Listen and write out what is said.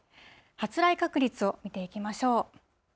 発雷確率を見ていきましょう。